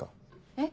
えっ。